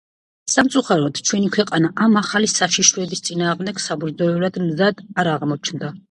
სამწუხაროდ, ჩვენი ქვეყანა ამ ახალი საშიშროების წინააღმდეგ საბრძოლველად მზად არ აღმოჩნდა.